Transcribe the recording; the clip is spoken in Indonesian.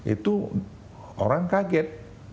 itu orang kaget